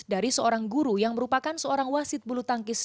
dari seorang guru yang merupakan seorang wasit bulu tangkis